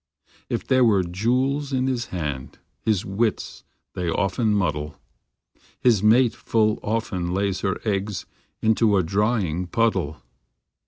If there are jewels in his head, His wits they often muddle, His mate full often lays her eggs Into a drying puddle.